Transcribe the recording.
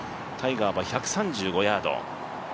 タイガーは１３５ヤード。